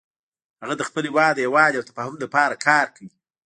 هغه د خپل هیواد د یووالي او تفاهم لپاره کار کوي